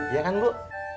iya kan bu